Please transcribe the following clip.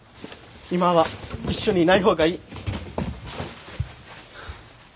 今は一緒にいない方がいい。